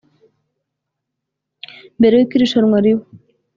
Mbere y’uko irushanwa riba